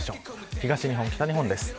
東日本、北日本です。